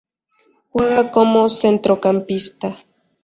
Juega como centrocampista.